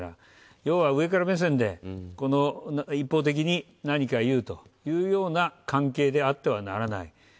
要は、上から目線で一方的に何か言うというような関係であってはならない。